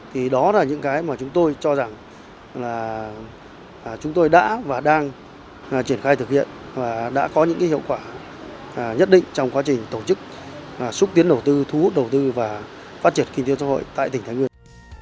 thì đó là những cái mà chúng tôi cho rằng là chúng tôi đã và đang triển khai thực hiện và đã có những hiệu quả nhất định trong quá trình tổ chức xúc tiến đầu tư thu hút đầu tư và phát triển kinh tế xã hội tại tỉnh thái nguyên